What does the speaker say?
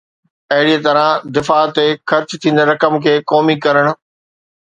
اهڙيءَ طرح دفاع تي خرچ ٿيندڙ رقم کي قومي ڪرڻ